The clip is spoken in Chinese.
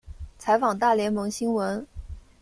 采访大联盟新闻。